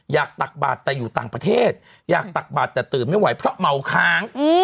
ตักบาทแต่อยู่ต่างประเทศอยากตักบาดแต่ตื่นไม่ไหวเพราะเมาค้าง